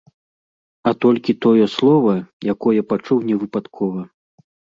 А толькі тое слова, якое пачуў невыпадкова.